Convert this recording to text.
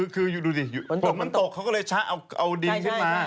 คือดูดิฝนมันตกเขาก็เลยชะเอาดินขึ้นมา